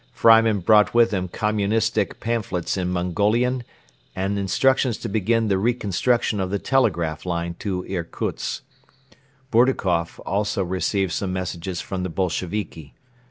Freimann brought with him communistic pamphlets in Mongolian and instructions to begin the reconstruction of the telegraph line to Irkutsk. Bourdukoff also received some messages from the Bolsheviki.